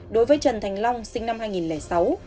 đối với trần thành long sinh năm hai nghìn sáu